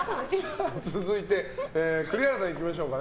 続いて、栗原さんいきましょう。